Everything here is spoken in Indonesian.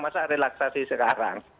masa relaksasi sekarang